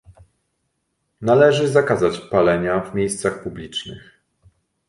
Należy zakazać palenia w miejscach publicznych